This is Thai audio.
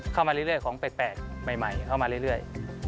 เข้ามาเรื่อยของแปลกใหม่เข้ามาเรื่อย